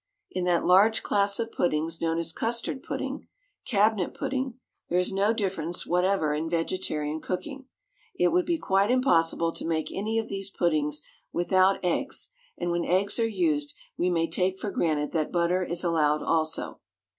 In that large class of puddings known as custard pudding, cabinet pudding, there is no difference whatever in vegetarian cookery. It would be quite impossible to make any of these puddings without eggs, and when eggs are used we may take for granted that butter is allowed also.